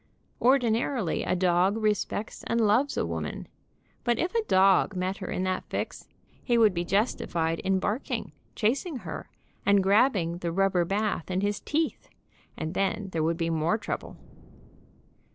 Ordinarily a dog respects and loves a woman, but if a dog met her in that fix, he would be justified in barking, chasing her, and grabbing the rubber bath in his teeth, and then there would be more trouble.